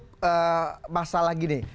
bagaimana menutup masalah gini